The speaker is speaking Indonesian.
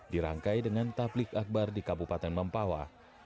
dirangkai dengan taplik akbar di kabupaten mempawa